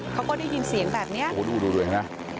เขาก็ได้ยินเสียงแบบนี้โอ้โหดูดูดูดูเลยนะ